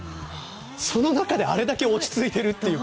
その中であれだけ落ち着いているという。